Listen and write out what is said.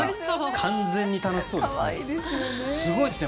完全に楽しそうですね。